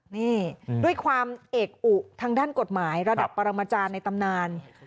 นี่ด้วยความเอกอุทางด้านกฎหมายระดับปรมาจารย์ในตำนาน